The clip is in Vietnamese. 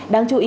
đáng chú ý